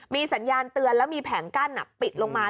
มีสัญญาณเตือนแล้วมีแผงกั้นปิดลงมา